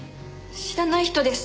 知らない人です。